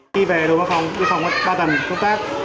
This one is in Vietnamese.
khi về đồ bác phòng đi phòng ba tầng công tác